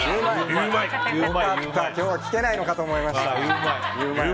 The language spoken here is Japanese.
よかった、今日は聞けないのかと思いました。